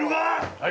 はい。